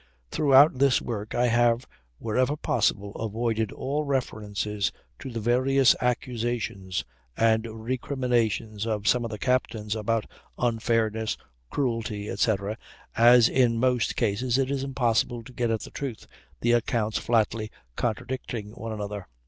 Throughout this work I have wherever possible avoided all references to the various accusations and recriminations of some of the captains about "unfairness," "cruelty," etc., as in most cases it is impossible to get at the truth, the accounts flatly contradicting one another.